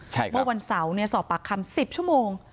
เมื่อวันเสาร์สอบปากคำ๑๐ชั่วโมง